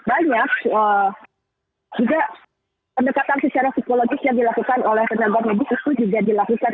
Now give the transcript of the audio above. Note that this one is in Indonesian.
banyak juga pendekatan secara psikologis yang dilakukan oleh tenaga medis itu juga dilakukan